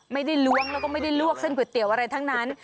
ล้วงแล้วก็ไม่ได้ลวกเส้นก๋วยเตี๋ยวอะไรทั้งนั้น